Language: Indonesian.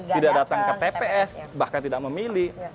tidak datang ke tps bahkan tidak memilih